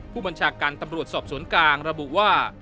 ผู้บัญชาการตำรวจสอบสวนกลางระบุว่า